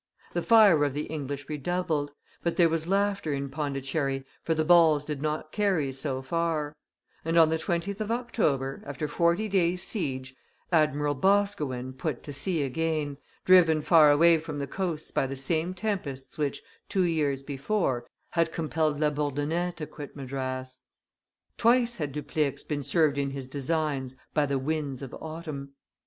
The fire of the English redoubled; but there was laughter in Pondicherry, for the balls did not carry so far; and on the 20th of October, after forty days' siege, Admiral Boscawen put to sea again, driven far away from the coasts by the same tempests which, two years before, had compelled La Bourdonnais to quit Madras. Twice had Dupleix been served in his designs by the winds of autumn.